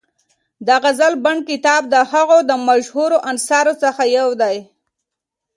د غزل بڼ کتاب د هغه د مشهورو اثارو څخه یو دی.